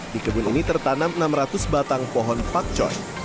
di kebun ini tertanam enam ratus batang pohon pakcoy